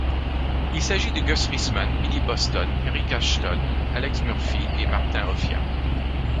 Il s'agit de Gus Risman, Billy Boston, Eric Ashton, Alex Murphy et Martin Offiah.